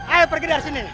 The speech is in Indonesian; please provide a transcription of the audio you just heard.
ayo pergi dari sini